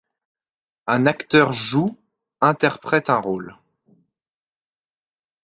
Un acteur joue, interprète un rôle.